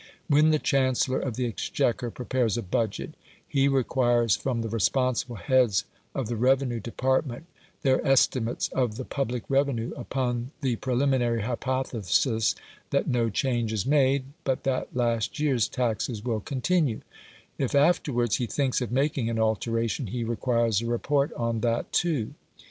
When the Chancellor of the Exchequer prepares a budget, he requires from the responsible heads of the revenue department their estimates of the public revenue upon the preliminary hypothesis that no change is made, but that last year's taxes will continue; if, afterwards, he thinks of making an alteration, he requires a report on that too.